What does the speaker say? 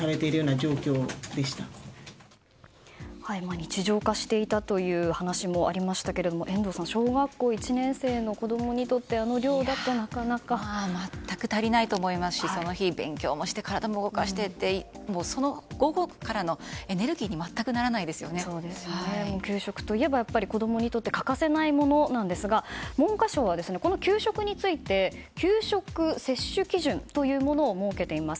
日常化していたという話もありましたが遠藤さん小学校１年生の子供にとってあの量だとなかなか。全く足りないと思いますしその日、勉強して体も動かしてって午後からのエネルギーに給食といえば子供にとって欠かせないものですが文科省はこの給食について給食摂取基準を設けています。